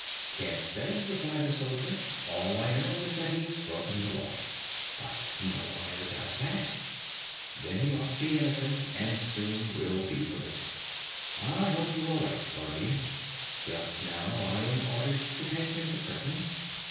"Can't say," replied the soldier. "All I know is that he has broken the Law." "But no one ever does that!" "Then he must be innocent, and soon will be released. I hope you are right, Guardian. Just now I am ordered to take him to prison.